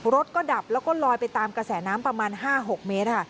รถก็ดับแล้วก็ลอยไปตามกระแสน้ำประมาณ๕๖เมตรค่ะ